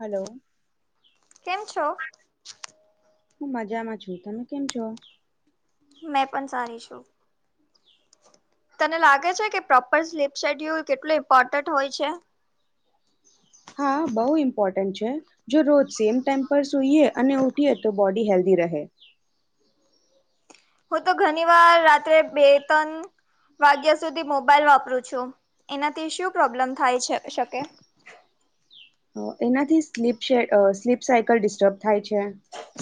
Hello કેમ છો? હું મજામાં છું તમે કેમ છો? મેં પણ સારી છું તને લાગે છે કે પ્રોપર સ્લીપ શેડ્યુલ કેટલું ઇમ્પોર્ટન્ટ હોય છે હા બહુ ઇમ્પોર્ટન્ટ છે જો રોજ સેમ ટેમ્પર સુઈએ અને ઉઠીએ તો બોડી હેલ્ધી રહે હો તો ઘરની બહાર રાત્રે બે ત્રણ વાગ્યા સુધી મોબાઈલ વાપરું છું એનાથી શું પ્રોબ્લેમ થાય છે શકે એનાથી સ્લીપ છે અહ સ્લીપ સાયકલ ડિસ્ટર્બ થાય છે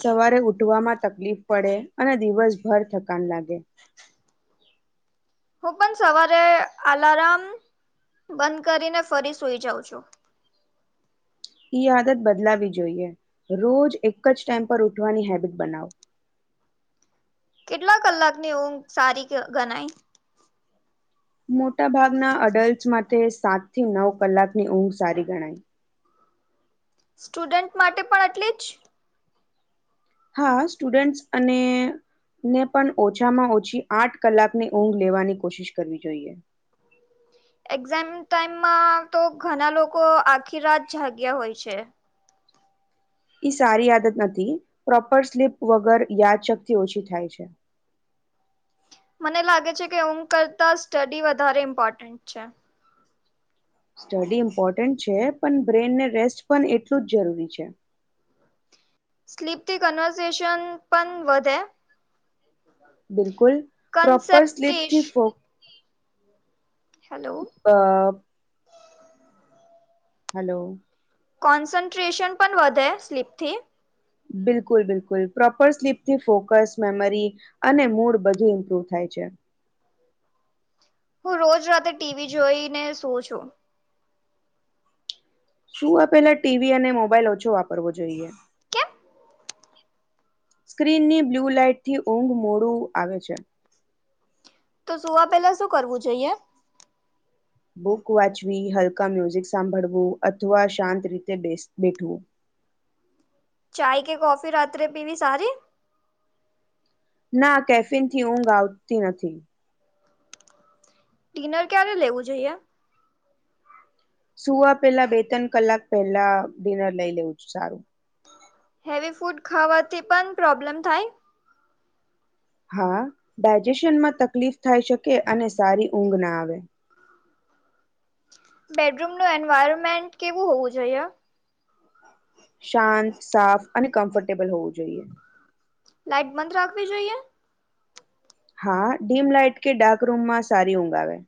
સવારે ઉઠવામાં તકલીફ પડે અને દિવસભર થકાન લાગે હું પણ સવારે અલારામ બંધ કરીને ફરી સુઈ જાઉં છું ઈ આદત બદલાવી જોઈએ રોજ એક જ ટાઈમ પર ઉઠવાની હેબિટ બનાવો કેટલા કલાક ની ઉંગ સારી ગણાય મોટા ભાગના અડલ્ટ માટે સાત થી નવ કલાકની ઊંઘ સારી ગણાય સ્ટુડન્ટ માટે પણ એટલી જ હા સ્ટુડન્ટ્સ અને ને પણ ઓછામાં ઓછી આઠ કલાકની ઊંઘ લેવાની કોશિશ કરવી જોઈએ એક્ઝામ ટાઈમમાં તો ઘણા લોકો આખી રાત જાગ્યા હોય છે ઈ સારી આદત નથી પ્રોપર સ્લીપ વગર યાદશકતી ઓછી થાય છે મને લાગે છે કે ઊંઘ કરતા સ્ટડી વધારે ઇમ્પોર્ટન્ટ છે. સ્ટડી ઇમ્પોર્ટન્ટ છે પણ બ્રેન ને રેસ્ટ પણ એટલું જ જરૂરી છે. સ્લીપ થી કન્વર્સેેશન પણ વધે. બિલકુલ પ્રોપર કન્સેપ્ટેશ સ્લીપથી ફો હલો. અ હલો. કોન્સન્ટ્રેશન પણ વધે સ્લીપથી બિલકુલ બિલકુલ પ્રોપર સ્લીપથી ફોકસ મેમરી અને મૂડ બધું ઇમ્પ્રુવ થાય છે. હું રોજ રાતે ટીવી જોઈને સુવ છું શું આપેલા ટીવી અને મોબાઈલ ઓછો વાપરવો જોઈએ. કેમ સ્ક્રીન ની બ્લુ લાઈટ થી ઊંઘ મોડું આવે છે. તો સુવા પહેલાં શું કરવું જોઈએ. બુક વાંચવી હલકા મ્યુઝિક સાંભળવું અથવા શાંત રીતે બે બેઠવું ચાય કે કોફી રાત્રે પીવી સારી ના કેફિન થી ઊંઘ આવતી નથી ડિનર ક્યારે લેવું જોઈએ. સુવા પેલા બે ત્રણ કલાક પહેલા ડિનર લઈ લેવું સારું હેવી ફૂડ ખાવાથી પણ પ્રોબ્લેમ થાય હા ડાયજેશનમાં તકલીફ થાય શકે અને સારી ઊંઘ ના આવે. બેડરૂમનું એન્વાયરમેન્ટ કેવું હોવું જોઈએ. શાંત સાફ અને કમ્ફર્ટેબલ હોવું જોઈએ. લાઈટ બંધ રાખવી જોઈએ હા ડીમ લાાઈટ કે ડાર્ક રૂમમાં સારી ઊંઘ આવે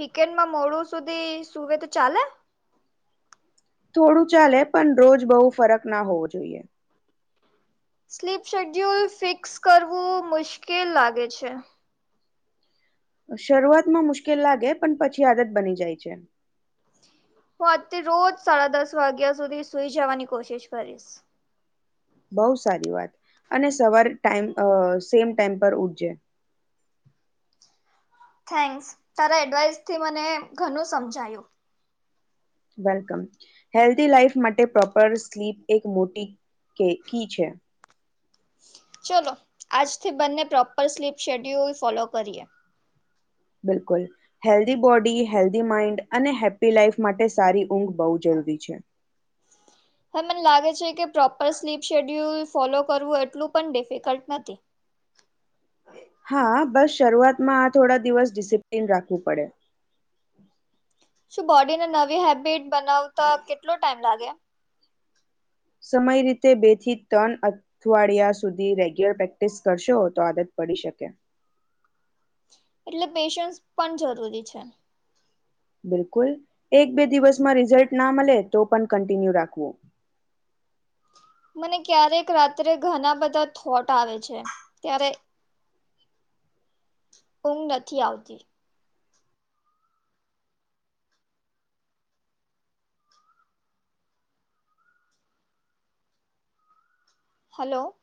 વીકેન્ડમાં મોડું સુધી સુવે તો ચાલે થોડું ચાલે પણ રોજ બહુ ફરક ના હોવો જોઈએ. સ્લીપ શેડ્યુલ ફિક્સ કરવું મુશ્કેલ લાગે છે. શરૂઆત માં મુશ્કેલ લાગે પણ પછી આદત બની જાય છે. હું આજથી રોજ સાડા દસ વાગ્યા સુધી સુઈ જવાની કોશિશ કરીશ બહું સારી વાત અને સવાર ટાઈમ સેમ ટાઈમ પર ઉઠજે થેન્ક્સ તારા એડવાઈસથી મને ઘણું સમજાયું વેલકમ હેલ્ધી લાઈફ માટે પ્રોપર સ્લીપ એક મોટી કે કી છે ચલો આજથી બંને પ્રોપર સ્લીપ શેડ્યુલ ફોલો કરીએ. બિલકુલ હેલ્ધી બોડી હેલ્ધી માઇન્ડ અને હેપી લાઈફ માટે સારી ઊંઘ બહુ જરૂરી છે. હા મને લાગે છે કે પ્રોપર સ્લીપ શેડ્યુલ ફોલો કરવું એટલું પણ ડિફિકલ્ટ નથી. હા બસ શરૂઆતમાં આ થોડા દિવસ ડિસિપ્લીન રાખવું પડે. શું બોડીને નવી હેબિટ બનાવતા કેટલો ટાઈમ લાગે સમય રીતે બે થી ત્રણ અવાડિયા સુધી રેગ્યુલર પ્રેક્ટિસ કરશો તો આદત પડી શકે એટલે પેશન્સ પણ જરૂરી છે. બિલકુલ એક બે દિવસમાં રિઝલ્ટ ના મળે તો પણ કન્ટિન્યુ રાખવું મને ક્યારેક રાત્રે ઘણા બધા થોટ આવે છે ત્યારે ઊંઘ નથી આવતી હલો.